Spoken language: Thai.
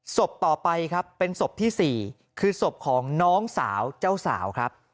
ศพต่อไปครับเป็นศพที่๔คือศพของน้องสาวเจ้าสาวครับ